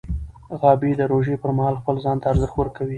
غابي د روژې پر مهال خپل ځان ته ارزښت ورکوي.